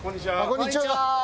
こんにちは！